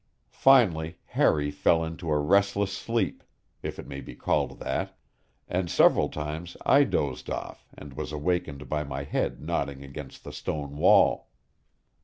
Finally Harry fell into a restless sleep, if it may be called that, and several times I dozed off and was awakened by my head nodding against the stone wall.